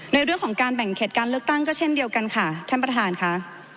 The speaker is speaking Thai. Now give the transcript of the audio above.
ในเรื่องของการแบ่งเขตการเลือกตั้งก็เช่นเดียวกันค่ะท่านประธานค่ะ